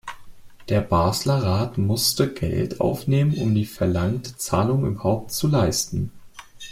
Der Basler Rat musste Geld aufnehmen, um die verlangte Zahlung überhaupt zu leisten.